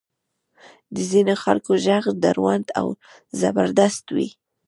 د ځینې خلکو ږغ دروند او زبردست وي.